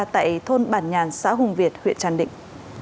tại thôn bản nhàn xã hùng việt huyện trang định